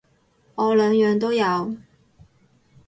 我兩樣都有